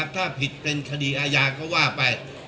ถ้าผิดเป็นคดีอาญาก็ว่าไป